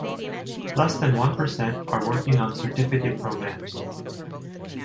Less than one percent are working on certificate programs.